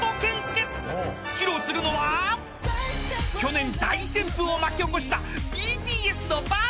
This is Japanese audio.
［披露するのは去年大旋風を巻き起こしたＢＴＳの『Ｂｕｔｔｅｒ』］